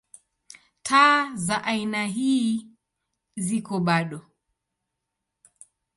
Taa za aina ii ziko bado.